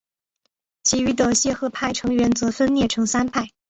其余的谢赫派成员则分裂成三派。